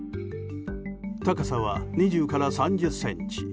高さは２０３０ｃｍ。